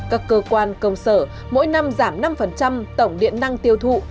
các cơ quan công sở mỗi năm giảm năm tổng điện năng tiêu thụ